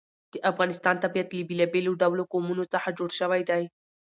د افغانستان طبیعت له بېلابېلو ډولو قومونه څخه جوړ شوی دی.